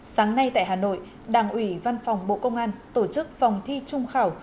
sáng nay tại hà nội đảng ủy văn phòng bộ công an tổ chức vòng thi trung khảo